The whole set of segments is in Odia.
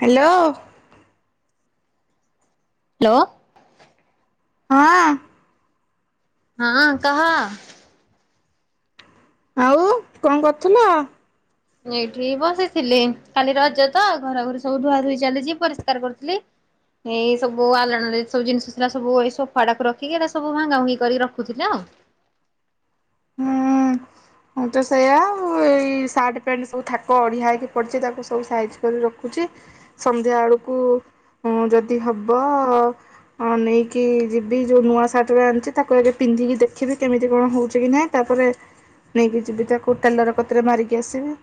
ହ୍ୟାଲୋ। ହ୍ୟାଲୋ, ହଁ। ହଁ କହ। ଆଉ କଅଁ କରୁଥିଲ? ଏଇଠି ବସିଥିଲି କାଲି ରଜ ତ ଘର ଘରେ ସବୁ ଧୁଆ ଧୁୋଇ ଚାଲିଛି ପରିଷ୍କାର କରୁଥିଲି। ଏଇ ସବୁ ଆଲଣରେ ସବୁ ଜିନିଷ ଥିଲା ସବୁ ଏଇ ସୋଫା ଟାକୁ ରଖିକି ଏଟା ସବୁ ଭା ଭୁଙ୍ଗି କରିକି ରଖୁଥିଲେ ଆଉ। ହଁ। ମୁଁ ତ ସେଇୟା ଏଇ ସାର୍ଟ ପ୍ୟାଣ୍ଟ ସବୁ ଥାକ ଅଢ଼ଆ ହୋଇଇକି ପଡ଼ିଛି ତାକୁ ସବୁ ସାଇଜ୍ କରି ରଖୁଛି। ସନ୍ଧ୍ୟା ବଳକୁ ଯଦି ହବ ହଁ ନେଇକି ଯିବି ଯୋଉ ନୂଆ ସାର୍ଟଟାଉରା ଆଣିଛି ତାକୁ ଆଗେ ପିନ୍ଧିକି ଦେଖିବି କେମିତି କଣ ହଉଛି କି ନାଇଁ ତାପରେ ନେଇକି ଯିବି ତାକୁ ଟେଲର କତିରେ ମାରିକି ଆସିବି।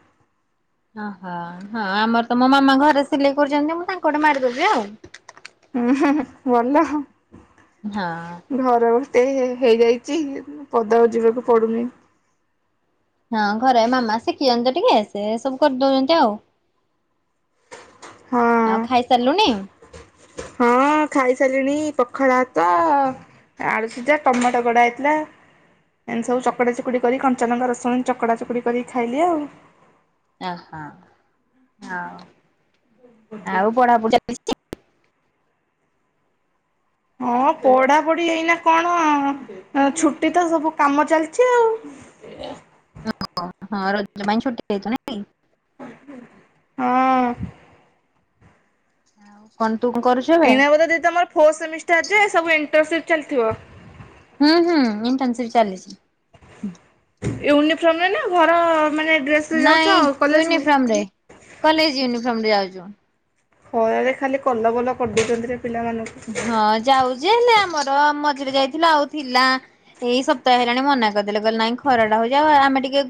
ଓହୋ ହଁ ଆମର ତ ମୋ ମାମା ଘରେ ସିଲେଇ କରୁଛନ୍ତି ମୁଁ ତାଙ୍କଟେ ମାରିଦଉଚି ଆଉ। ଉ ହୁଁ ହୁଁ ଭଲ ଆଉ। ହଁ। ଘରେ ବସି ହେଇ ହେଇ ହେଇଯାଇଛି ପଦାକୁ ଯିବାକୁ ପଡୁନି। ହଁ ଘରେ ମାମା ଶିଖିଛନ୍ତି ଟିକେ ସେ ସବୁ କରିଦଉଛନ୍ତି ଆଉ। ଆଉ ହଁ। ଖାଇସାରିଲୁଣି? ହଁ ଖାଇ ସାରିଲିଣି ପଖାଳ ଭାତ ଆଳୁ ସିଝା, ଟମାଟୋ କଡା ହେଇଥିଲା। ଏ ସବୁ ଚକଡା ଚକୁଡି କରି କଞ୍ଚାଲଙ୍କା ରସୁଣ ଚକଡା ଚକୁଡି କରିକି ଖାଇଲି ଆଉ। ଓହୋ ହଉ ଆଉ [unintelligible] ହଁ ପଢା ପଢି ଏଇନା କଣ ଛୁଟି ତ ସବୁ କାମ ଚାଲିଛି ଆଉ। ଓ ହଁ ରଜ ପାଇଁ ଛୁଟି ଦେଇଛନ୍ତି ନାହିଁ? ହଁ। କଣ ତୁ କରୁଚୁ? ଏଇନାବୋଧେ ଦିଦି ତମର ଫୋ ସେମିଷ୍ଟାର ସବୁ ଇଣ୍ଟରସିପ ଚାଲିଥିବ? ହୁଁ ହୁଁ ଇଣ୍ଟର୍ନସିନ୍ ଚାଲିଚି। ୟୁନିଫର୍ମରେ ନା ଘର ମାନେ ଡ୍ରେସରେ ଯାଉଛ ନାଇଁ କଲେଜକୁ? ୟୁନିଫର୍ମ ରେ କଲେଜ୍ ୟୁନିଫର୍ମ ରେ ଯାଉଛୁ। ଖରା ରେ ଖାଲି କଲବଲ କରିଦଉଛନ୍ତି ଯେ ପିଲାମାନଙ୍କୁ। ହଁ ଯାଉଛି ହେଲେ ଆମର ମଝିରେ ଯାଇଥିଲୁ ଆଉ ଥିଲା ଏଇ ସପ୍ତାହ ହେଲାଣି ମନା କରିଦେଲେ ନାଇଁ ଖରାଟା ହଉଛି ଆମେ ଟିକେ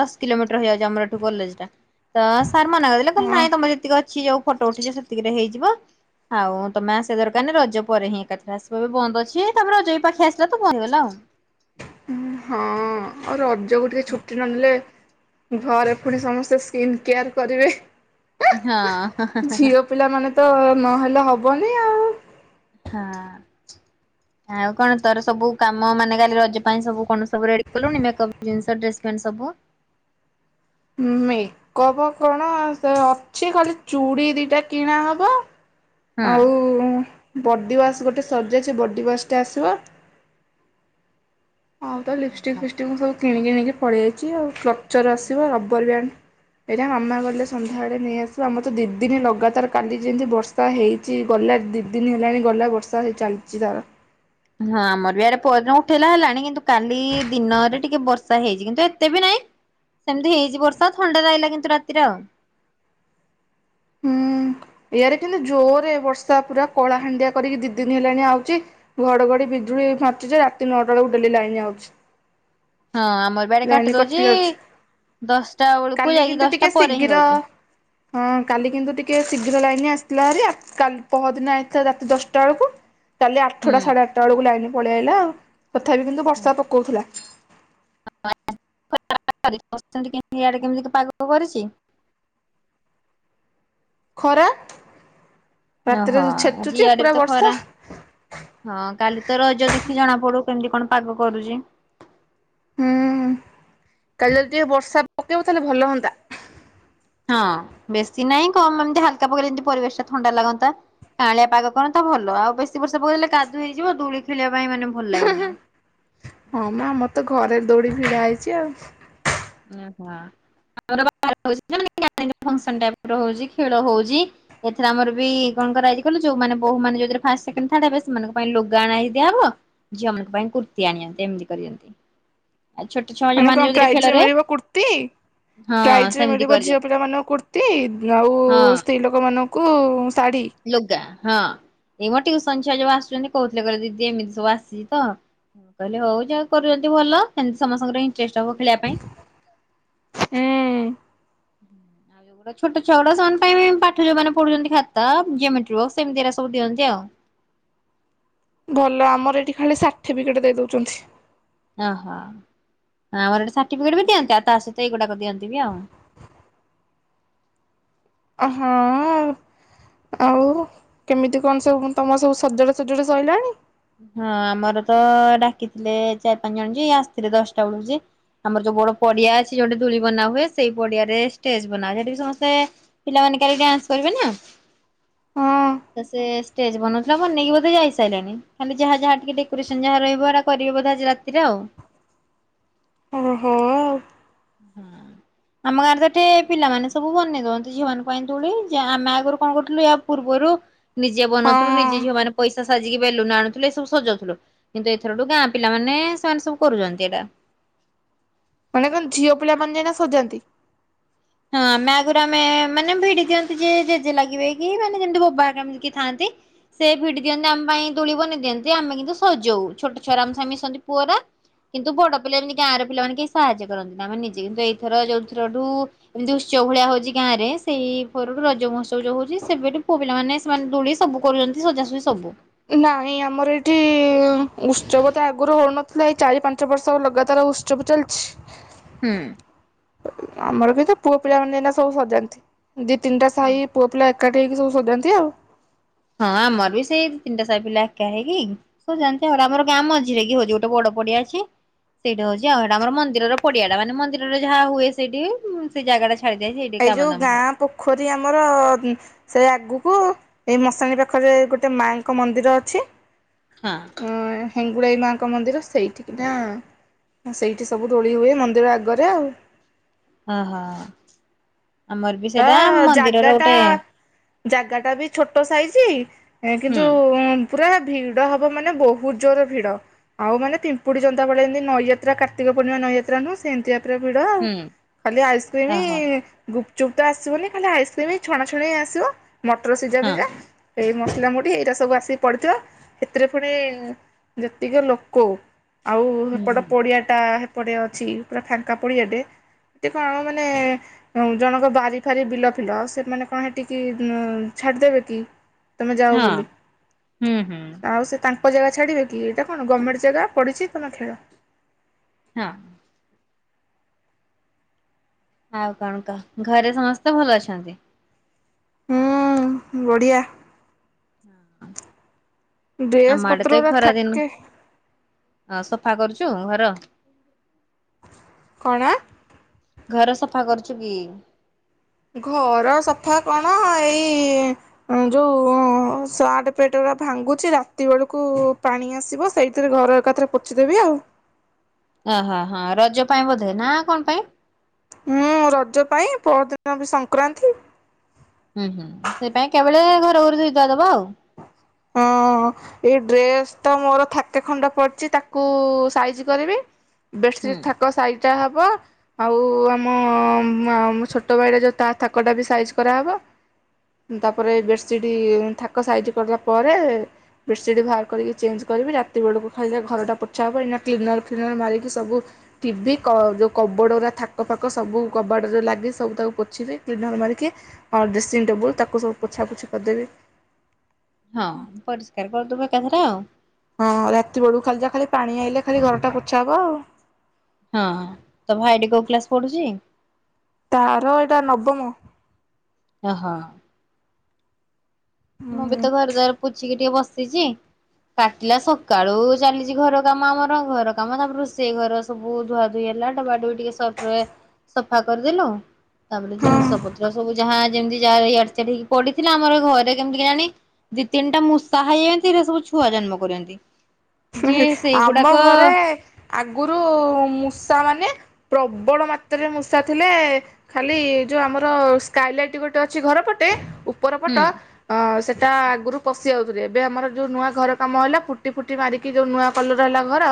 ଦ କିଲୋମିଟର ହେଇଯାଉଛି ଆମର ଏଠୁ କଲେଜଟା। ତ ସାର୍ ମନା କରିଦେଲେ କହିଲେ ହଁ ନାଇଁ ତମର ଯେତିକି ଅଛି ଯୋଉ ଫଟୋ ଉଠିଛି ସେତିକିରେ ହେଇଯିବ ଆଉ ତମ ସେ ଦରକାର ନାହିଁ ରଜ ପରେ ହିଁ ଏକାରେ ଆସିବା ବନ୍ଦ ଅଛି ତାପରେ ରଜ ବି ପାଖି ଆସିଲା ତ ବନ୍ଦହେଇଗଲା ଆଉ। ହଁ ଆଉ ରଜକୁ ଟିକେ ଛୁଟି ନ ନେଲେ ଘରେ ପୁଣି ସମସ୍ତେ ସ୍କିନ୍ କେୟାର୍ କରିବେ। ଝିଅ ହଁ। ପିଲାମାନେ ତ ନହେଲେ ହବନି ଆଉ ହଁ। [inaudible] ଆଉ କଣ ତୋର ସବୁ କାମ ମାନେ କାଲି ରଜ ପାଇଁ ସବୁ କଣ ସବୁ ରେଡି କଲୁଣି ମେକଅପ୍ ଜିନିଷ ଡ୍ରେସ ପ୍ୟାଣ୍ଟ୍ ସବୁ? ମେକଅପ୍ କଣ ସେ ଅଛି ଖାଲି ଚୁଡ଼ି ଦୁଇଟା କିଣା ହେେବ ହଁ। ବଡିୱାସ୍ ଗୋଟେ ସରିଯାଇଛି ବଡିୱାସ୍ ଟେ ଆସିବ ହଉ ତ ଲିପଷ୍ଟିକ୍ ଫିପଷ୍ଟିକ୍ ମୁଁ ସବୁ କିଣିକି ନେଇକି ପଳେଇ ଆଇଛି ଆଉ କ ଉଚର ଆସିବ ରବର୍ ବ୍ୟାଣ୍ଡ୍ ଏଇଟା ମାମା ଗଲେ ସନ୍ଧ୍ୟାବେଳେ ନେଇଆସିବ ଆମର ତ ଦି ଦିନ ଲଗାତାର କାଲି ଯେମିତି ବର୍ଷା ବର୍ଷା ହେଇଛି ଗଲା ଦି ଦିନି ହେଲାଣି ଗଲା ବର୍ଷା ହେ ଚାଲିଛି ତାର। ହଁ ଆମର ବି ଏଆଡ଼େ ପହଦିନ ଉଠେଇଲା ହେଲାଣି କିନ୍ତୁ କାଲି ଦିନରେ ଟିକେ ବର୍ଷା ହେଇଛି କିନ୍ତୁ ଏତେ ବି ନାହିଁ ସେମିତି ହେଇଛି ବର୍ଷା ଥଣ୍ଡା ଲାଗିଲା କିନ୍ତୁ ରାତିରେ ଆଉ। ହୁଁ ଇଆାରେ କିନ୍ତୁ ଜୋରେ ବର୍ଷା ପୁରା କଳା ହାଣ୍ଡିଆ କରିକି ଦି ଦିନ ହେଲାଣି ଆଉଛି ଘଡଘଡି ବିଜୁଳି ମାରୁଛି ଯେ ରାତି ନଅଟା ବେଳକୁ ଡେଲି ଲାଇନ୍ ଆଉଚି। ହଁ ଆମର ବି ଆଡେ କାଟି ଦଉଛି ଦଶଟା ବେଳକୁ କାଲି ଯାଇକି କିନ୍ତୁ ଟିକେ ଦଶଟା ପରେ ହିଁ ଶୀଘ୍ର ଦଉଛି। ହଁ। କାଲି କିନ୍ତୁ ଟିକେ ଶୀଘ୍ର ଲାଇନ ଆସିଥିଲା ହେରି ପହଦିନ ଆସିଥାଥିଲା ରାତି ଦଶଟା ବେଳକୁ କାଲି ହୁଁ। ଆଠଟା ସାଢ଼େ ଆଠଟା ବେଳକୁ ଲାଇନ୍ ପଳେଇ ଆାଇଲା ଆଉ ତଥାପି କିନ୍ତୁ ବର୍ଷା ପକଉଥିଲା। [unintelligible] ଇଆଡ଼େ କେମିତି ପାଗ କରିଛି? ଖରା ଓହୋ ରାତିରେ ଆଜି ଛେଚୁଛି ଇଆଡେ ବି ତ ପୁରା ବର୍ଷା ଖରା ହଁ କାଲି ତ ରଜ ଦେଖିକି ଜଣା ପଡୁ କେମିତି କଣ ପାଗ କରୁଛି। ହୁଁ କାଲି ଯଦି ଟିକେ ବର୍ଷା ପକେଇବ ତାହେଲେ ଭଲ ହୁଅନ୍ତା। ହଁ ବେଶୀ ନାଇଁ କମ ଏମିତି ହାତପକେଇଲେ ଯେମିତି ପରିବେଶ ଟା ଥଣ୍ଡା ଲାଗନ୍ତା। କାଉଳିଆ ପାଗ କରନ୍ତା ଭଲ ଆଉ ବେଶୀ ବର୍ଷା ପକେଇଲେ କାଦୁଅ ହେଇଯିବ ଦୂଳି ଖେଳିବା ପାଇଁ ମାନେ ଭଲ ଲାଗିବନି ଆଉ। ହଁ ମ ଆମ ର ତ ଘରେ ଦୌଡି ଭିଡା ହେଇଛି ଆଉ। [unintelligible] ଓହୋ ଖେଳ ହଉଛି। ଏଥିରେ ଆମର ବି କଣ କରଇ କ ଯୋଉମାନେେ ବୋ ମାନେ ଯଉରେ ଫାଷ୍ଟ ସେକଣ୍ଡ ଥାର୍ଡ ହେବେ ସେମାନଙ୍କ ପାଇଁ ଲଗା ଆଣ ହେଇ ଦିଆ ହବ ଝିଅମାନାନଙ୍କ ପାଇଁ କୁର୍ତ୍ତି ଆଣିଅନ୍ତି ଏମିତି କରିନ୍ତି। [inaudible] ଆ ଛୋଟ ଛୁଆ ମାନେ କଣ ପ୍ରାଇଜ ଖେଳରେ ମିଳିବ କୁର୍ତି ହଁ ପ୍ରାଇଜରେ ସେମିତି ମିଳିବ ଝିଅ କରିଛନ୍ତି ପିଲା ମାନଙ୍କୁ କୁର୍ତ୍ତି ଆଉ ହଁ। ସ୍ତ୍ରୀ ଲୋକମାନ କୁ ଶାଢ଼ୀ। ଲୁଗା ହଁ ଏ ମୋ ଟିଉସନ ଛୁଆ ଯୁ ଆସୁଛନ୍ତି କହୁଥିଲେ କରେ ଦିଦି ଏମିତି ସବୁ ଆସିଛି ତ। ହଁ କହିଲେ ହଉ ଯାହା କରୁଛନ୍ତି ଭଲ ସେମିତି ସମସ୍ତଙ୍କର ଇଣ୍ଟରେଷ୍ଟ ହବ ଖେଳିବା ପାଇଁ। ଏଁ। ଯୋ ଛୋଟ ଛୁଆ ଗୁଡା ସେମାନେ ପାଇଁ ପାଠ ଯୋଉମାନେ ପଢୁଛନ୍ତି ଖାତା ଯୋମେଟ୍ରୀ ବକ୍ସ ଏମିତିରେ ସବୁ ଦିଅନ୍ତି ଆଉ। ଭଲ ଆମର ଏଇଠି ଖାଲି ସାର୍ଟିଫିକେଟ୍ ଦେଇଦଉଛନ୍ତି। ଓହୋ ଆମର ଗୋଟେ ସାର୍ଟିଫିକେଟ ବି ଦିଅନ୍ତି ଆଉ ତା ସହିତ ଏଇଗୁଡାକ ଦିଅନ୍ତି ବି ଆଉ। ଅ ହଁ। ଆଉ କେମିତି କଣ ସବୁ ତୁମ ସବୁ ସଜଡ଼ା ସଜଡ଼ି ସରିଲାଣି? ହଁ ଆମର ତ ଡାକିଥିଲେ ଚାରି ପାଞ୍ଚ ଜଣ ଯେ ଆସିଥିଲେ ଦଶଟା ବେଳକୁ ଯେ ଆମର ଯୋଉ ବଡ ପଡିଆ ଅଛି ଯୋଉଠି ଦୋଳି ବନା ହୁଏ ସେଇ ପଡିଆ ରେ ଷ୍ଟେଜ ବନା ସେଟି ବି ସମସ୍ତେ ପିଲାମାନେ କାଲି ଡ୍ୟାନ୍ସ କରିବେ ନା। ହଁ ସେ ଷ୍ଟେଜ ବନଉଥିଲା ବନେଇକି ବୋଧେ ଯାଇସାରିଲାଣି। ଖାଲି ଯାହା ଯାହା ଟିକେ ଡେକୋରେସନ୍ ଯାହା କରିବେ ବୋଧେ ଆଜି ରାତିରେ ଆଉ। ଓହୋ। ଆମ ଗାଁରେ ତ ଏଠି ପିଲାମାନେ ସବୁ ବନେଇ ଦଉଅନ୍ତି ଝିଅଙ୍କ ପାଇଁ ଦୋଳି ଆମେ ଆଗରୁ କଣ କରୁଥିଲୁ ପୂର୍ବରୁ ନିଜେ ହଁ ବନଉଥିଲୁ ନିଜେ ଝିଅ ମାନ ପଇସା ସାଜିକି ବେଲୁନ ଆଣୁଥିଲେ ସବୁ ସଜଉଥିଲୁ କିନ୍ତୁ ଏଥରଠୁ ଗାଁ ପିଲା ମାନେ ସେମାନେ ସବୁ କରୁଛନ୍ତି ଏଇଟା। ମାନେ କଣ ଝିଅ ପିଲା ମାନେ ଯାଇନା ସଜାନ୍ତି? ହଁ ଆମେ ଆଗରୁ ଆମେ ମାନେ ଭିଡି ଦିଅନ୍ତି ଯେ ଜେଜେ ଲାଗିବେ କି ମାନେ ଯେମିତି ବୋବା ହେଇକା କିଏ ଥାନ୍ତି। ସେ ଭିଡି ଦିଅନ୍ତି ଆମ ପାଇଁ ଦୋଳି ବନେଇ ଦିଅନ୍ତି ଆମେ କିନ୍ତୁ ସଜଉ ଛୋଟ ଛୁଆରା ଆମ ସାଙ୍ଗେ ମିଶନ୍ତି ପୁଅରା କିନ୍ତୁ ବଡ ପିଲା ଏମିତି ଗାଁର ପିଲାମାନେ କେହି ସାହାଯ୍ୟ କରନ୍ତିନି ମାନେ ନିଜେ କିନ୍ତୁ ଏଇଥର ଯୋଉ ଥରଠୁ ଏମିତି ଉତ୍ସବ ଭଳିଆ ହଉଛି ଗାଁରେ ସେଇ ପରଠୁ ରଜ ମହୋସବ ଯୋଉ ହଉଛି ସେବେଠୁ ପୁଅ ପିଲାମାନେ ସେମାନେ ଦୋଳି ସବୁ କରୁଛନ୍ତି ସଜାସଜି ସବୁ। ନାଇଁ ଆମର ଏଇଠି ଉତ୍ସବ ତ ଆଗରୁ ହଉନଥିଲା ଏଇ ଚାରି ପାଞ୍ଚ ବର୍ଷ ଲଗାତାର ଉତ୍ ଚପ ଚାଲିଛି। ହୁଁ। ଆମର ବି ତ ପୁଅ ପିଲା ମାନେ ଏନା ସବୁ ସଜାନ୍ତି ଦି ତିନିଟା ହଁ। ସାହି ପୁଅ ପିଲା ଏକାଠି ହେଇକି ସଜାନ୍ତି ଆଉ। ହଁ ଆମର ବି ସେଇ ତିନିଟା ସାହି ପିଲା ଏକା ହେଇକି। ସଜାନ୍ତି ଆମ ଗାଁ ମଝିରେ କି [unintelligible] ଗୋଟେ ବଡ ପଡିଆ ଅଛି। ସେଇଟା ହଉଛିଉଇଟା ଆମର ମନ୍ଦିର ପଡିଆ ଟା ମାନେ ମନ୍ଦିର ଯାହା ହୁଏ ସେଇଠି ସେ ଜାଗା [unintelligible] ଏଇ ଯୋଉ ଗାଁ ପୋଖରୀ ଆମର ସେ ଆଗକୁ ଏଇ ମଶାଣି ପାଖରେ ଗୋଟେ ମାଆଙ୍କ ମନ୍ଦିର ଅଛି ହଁ। ହଁ ହେଙ୍ଗୁଳାଇ ମା ଙ୍କ ମନ୍ଦିର ସେଇଠିକି ନା ସେଇଠି ସବୁ ଦୋଳି ହୁଏ ମନ୍ଦିର ଆଗରେ ଆଉ। ଓହୋ ଆମର ବି ତା ସେଇଟା ମନ୍ଦିରର ଜାଗାଟା ଗୋଟେ ଜାଗାଟା ବି ଛୋଟ ସାଇଜି ହୁଁ କିନ୍ତୁ ପୁରା ଭିଡ ହବ ମାନେ ବହୁତ ଜୋରରେ ଭିଡ। ଆଉ ମାନେ ପିମ୍ପୁଡି ଜନ୍ତାଭଳି ଏମି ନଇ ଯାତ୍ର କାର୍ତିକ ପୂର୍ଣ୍ଣିମା ନଇ ଯାତ୍ରା ନୁଁହଁ ସେମିତିଆ ପରା ଭିଡ ହୁଁ ଖାଲି ଆଇସ୍କ୍ରିମି ଓହୋ ଚୁପ୍ ତ ଆସିବନି ଖାଲି ଆଇସ୍କ୍ରିମ୍ ଛଣାଛଣି ଆସିବ ମଟର ସିଝା ହଁ ଫିଝା। ଏଇ ମସଲା ମୁଢ଼ି ଏଇରା ସବୁ ଆସିକି ପଡିଥିବ ସେଥିରେ ପୁଣି ଯେତିକି ଲୋକ ଆଉ ହୁଁ ହେପଟ ପଡିଆ ଟା ପଡ଼େ ଅଛି ପୁରା ଫାଙ୍କା ପଡ଼ିଆଡ଼େ ଏ କଣ ମାନେ ଜଣଙ୍କ ବାରିଫାରି ବିଲ ଫିଲ ଆଉ ସେମାନେ କଣ ହେଠିକି ଛାଡ଼ିଦେବେ କି? ତମେ ଯାଅ ହଁ ବୋଲି ହୁଁ ହୁଁ ଆଉ ସେ ତାଙ୍କ ଙ୍କ ଜାଗା ଛଡ଼ିବେ କି ଏଇଟାକଣ ଗମେଣ୍ଟ ଜାଗା ପଡ଼ିଛି ତମେ ଖେଳ। ହଁ। ଆଉ କଣ କହ ଘରେ ସମସ୍ତେ ଭଲ ଅଛନ୍ତି? ହୁଁ ବଢିଆ। ଡ୍ରେସ୍ ଆମଆଡେ ତ ପତ୍ରଗୁରା ଏଖରା ଦିନ ଥାକେ ଅ ସଫା କରୁଛୁ ଘର। କଣ? ଘର ସଫା କରୁଛୁ କି? ଘର ସଫା କଣ ଏଇ ଯୋଉ ସାର୍ଟ ପେଟ ଉରାଭାଙ୍ଗୁଛି ରାତି ବେଳକୁ ପାଣି ଆସିବ ସେଇ ସେଥିରେ ଘର ଏକଥରେ ପୋଛିଦେବି ଆଉ। ଓହୋ ହ ହଁ ରଜ ପାଇଁ ବୋଧେ ନା କଣ ପାଇଁ? ହୁଁ ରଜ ପାଇଁ ପରଦିନ ବି ସଂକ୍ରାନ୍ତି। ହୁଁ ହୁଁ ସେଇ ପାଇ ଏକାବେଳେ ଘର ଫର ଧୋଇ ଧାଇ ଦେବ ଆଉ। ହଁ। ଏଇ ଡ୍ରେସ୍ ତ ମୋର ଥାକେ ଖଣ୍ଡ ପଡିଛି ତାକୁ ସାଇଜି କରିବି। ହୁଁ ବେଡ଼ସିଟ୍ ଥାକ ସାଇଟା ହବ। ଆଉ ଆମ ଛୋଟ ଭାଇଟା ଯୋଉ ତା ଥାକଟା ବି ସାଇଜ୍ କରାହେବ। ତାପରେ ଏ ବେଡସିଟ ଥାକ ସାଇଜି କରିଦେଲା ପରେ ବେଡ଼୍ସିରି ବାହାର କରିକି ଚେଞ୍ଜ କରିବି ରାତି ବେଳକୁ ଖାଲି ଘରଟା ପୋଛା ହେବ ଏଇନା କ୍ଲିନର ଫ୍ଲିନର ମାରିକି ସବୁ ଟିଭିି ଯେଉଁ କବୋଡ଼ ଥାକ ଫାକ ସବୁ କବାଟ ଯୋଉ ଲାଗିଚି ସବୁ ତାକୁ ପୋଛିିବି କ୍ଲିନର୍ ମାରିକି। ହଁ ଡ୍ରେସିଂ ଟେବୁଲ୍ ତାକୁ ସବୁ ପୋଛାପୋଛି କରିଦେବି। ହଁ ପରିଷ୍କାର କରିଦବା ଏକାଥରେ ଆଉ। ହଁ ରାତି ବେଳକୁ ଖାଲି ଯା ଖାଲି ପାଣି ଆଇଲେ ଖାଲି ଘର ଟା ପୋଛା ହବ ଆଉ। ହଁ। ତ ଭାଇଟି କୋଉ କ୍ଲାସ ପଢୁଛି? ତାର ଏଇଟା ନବମ। ଓହଁ। ମୁଁ ବି ହୁଁ ତ ଘରଦ୍ଵାର ପୁଛିିକି ଟିକେ ବସିଛି। କାଟିଲା ସକାଳୁ ଚାଲିଛି ଘର କାମ ଆମର ଘର କାମ ତାପରେ ରୋଷେଇ ଘର ସବୁ ଧୁଆ ଧୋଇ ହେଲା ଡବା ଡବି ଟିକେ ସର୍ଫ ରେ ସଫା କରିଦେଲୁ। ତାପରେ ହଁ ଜିନିଷ ପତ୍ର ସବୁ ଯାହା ଯେମିତି ଯାହା ଇଆଡ ସିଆଡେ ହେଇକି ପଡିଥିଲା ଆମର ଘରେ କେମିତି କେଜାଣି ଦି ତିନିଟା ମୂଷା ହେଇଛନ୍ତି ହେରା ସବୁ ଛୁଆ ଜନ୍ମ କରିଛନ୍ତି। ଆମ ଘରେ ଆଗରୁ ମୂଷା ମାନେ ପ୍ରବଳ ମାତ୍ରାରେ ମୂଷା ଥିଲେ। ଖାଲି ଯୋଉ ଆମର ସ୍କାଇଲାଇଟ ଗୋଟେ ଅଛି ଘର ପଟେ ଉପର ପଟ ହୁଁ ଅ ସେଟା ଆଗରୁ ପଶି ଯାଉଥିଲେ ଏବେ ଆମର ଯୋଉ ନୂଆ ଘର କାମ ହେଲା ପୁଟି ଫୁଟି ମାରିକି ଯୋଉ ନୂଆ କଲର ହେଲା ଘର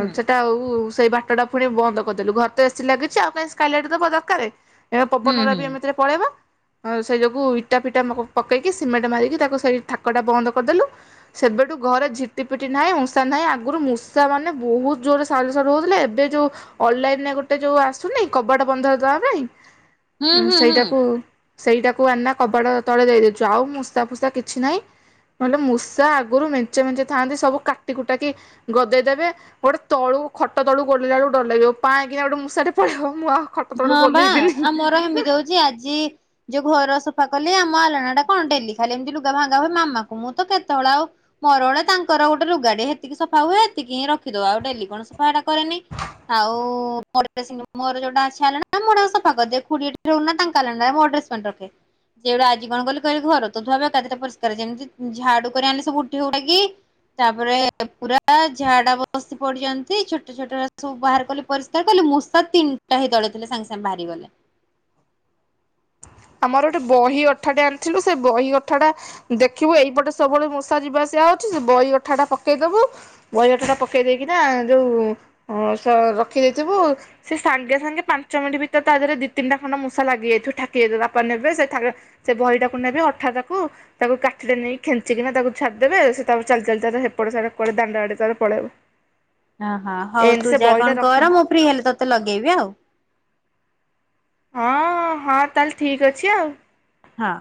ହୁଁ ସେଟା ଆଉ ସେଇ ବାଟ ପୁଣି ବନ୍ଦ କରିଦେଲୁ ଘର ତ ଏସି ଲାଗିଛି ଆଉ କାହିଁ ସ୍କାଇଲାଇଟ୍ ଦବାଦରକାରେ। ଏବେ ହୁଁ ପବନରେ ହୁଁ ବି ଏମିତିରେ ପଳେଇବ। ହଁ ସେ ଯୋଗୁ ଇଟା ଫିଟା ପକେଇକି ସିମେଣ୍ଟ ମାରିକି ତାକୁ ସେଇ ଠାକଟା ବନ୍ଦ କରିଦେଲୁ। ସେବେଠୁ ଘରେ ଝିପ୍, ଝିଟିପିଟି ନାହିଁ ମୂଷା ନାହିଁ ଆଗରୁ ମୂଷାମାନେ ବହୁତ୍ ଜୋରରେ ସାଲୁସାଲୁ ହଉଥିଲେ ଏବେ ଯଉ ଅଲଲାଇନରେ ଗୋଟେ ଯୋଉ ଆସୁନି କବାଟ ବନ୍ଧ ଦବା ପାଇଁ ହୁଁ ଉଁ ହୁଁ ହୁଁ ସେଇଟାକୁ ସେଇଟାକୁ ଆନା କବାଡ ତଳେ ଦେଇଦଉଛୁ ଆଉ ମୂଷା ଫୂଷା କିଛି ନାହିଁ। ନହେଲେ ମୂଷା ଆଗରୁ ମେଞ୍ଚେ ମେଞ୍ଚେ ଥାଆନ୍ତି ସବୁ କାଟି କୁଟାକି ଗଦେଇଦେବେ। ଗୋଟେ ତଳୁ ଖଟ ତଳୁ ଗୋଡ ଦେଲାବେଳକୁ ଡର ଲାଗିବ ପାଏଁକିନା ଗୋଟେ ମୂଷା ପଳେଇବ ମୁଁ ଆଉ। ଖଟ ତଳକୁ ଓହ୍ଲେଇବିନି। ଏମିତି ହଉଛି ଆଜି। ଯୋଉ ଘର ସଫା କଲି ଆମ ଆଲଣାଟା କଣ ଡେଲି ଖାଲି ଏମିତି ଲୁଗା ଭାଙ୍ଗା ହୁଏ ମାମାକୁ ମୁଁ ତ କେତବେଳେ ଆଉ, ମୋର ଗୋଟେ ତାଙ୍କର ଗୋଟେ ଲୁଗାଟେ ହେତିକି ସଫା ହୁଏ ସେତିକି ହିଁ ରଖିଦଉ ଆଉ ଡେଲି କଣ ସଫା ଏଟା କରେନି। [unintelligible] [unintelligible] ସେ ଗୋଟେ ଆଜି କଣ କଲେ କହିଲେ ଘର ତ ଧୁଆ ହବ କାଲିତ ପରିସ୍କାର ହେଇଛି ଯେମିତି ଝାଡୁ କରି ଆଣେ ସବୁ ଉଠେଇ ଉଠାକି। ତାପରେ ପୁରା ଝାଡା ବସି ପଡିଛନ୍ତି ଛୋଟ ଛୋଟ ସବୁ ବାହାର କଲେ। ପରିସ୍କାର କରିଲି ମୂଷା ତିନିଟା ହେଇ ତଳେ ଥିଲେ ସାଙ୍ଗେ ସାଙ୍ଗେ ହେଇ ବାହାରିଗଲେ। ଆମର ଗୋଟେ ବହି ଅଠାଟେ ଆଣିଥିଲୁ ସେ ବହି ଅଠାଟା- - ଦେଖିବୁ ଏଇପଟେ ସବୁବେଳେ ମୂଷା ଯିବା ଆସିବା ହଉଛି ବହି ଅଠାଟା ପକେଇଦବୁ। ବହି ଅଠାଟା ପକେଇ ଦେଇକିନା ଯୋଉ ରଖି ଦେଇଥିବୁ। ସେ ସାଙ୍ଗେ ସାଙ୍ଗେ ପାଞ୍ଚ ମିନିଟ ଭିତରେ ତା ଦେହରେ ଦି ତିନିଟା ଖଣ୍ଡ ମୂଷା ଲାଗି ଯାଇଥିବ ଠାକିଯାଇଥିବ ବାପା ନେବେ ସେ ସେ ବହିଟାକୁ ନେବେ ଅଠାଟାକୁ। ତାକୁ କାଠିରେ ନେଇକି ଖେଞ୍ଚିକିନା ତାକୁ ଛାଡିଦେବେ ସେ ତା ପରେ ଚାଲି ଚାଲି ତାର ହେପଟ ସାରା ଦାଣ୍ଡ ଆଡେ ତାର ପଳେଇବ। ହ ହ ହଉ ଏମିତି ତୁ ସେ ଯାହା ବହିଟା କଣ ରଖି କର ମୁଁ ଫ୍ରି ହେଲେ ତୋତେ ଲଗେଇବି ଆଉ। ହଁ ହଁ ତାହେଲେ ଠିକ ଅଛି ଆଉ। ହଁ,